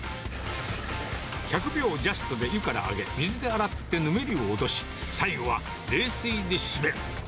１００秒ジャストで湯から上げ、水で洗ってぬめりを落とし、最後は冷水で締める。